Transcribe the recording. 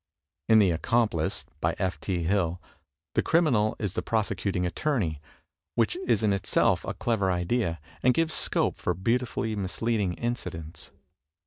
In "The Accomplice," by F. T. Hill, the criminal is the prosecuting attorney, which is in itself a clever idea, and gives scope for beautifully misleading incidents.